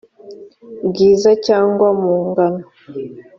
bwiza cyangwa mu ngano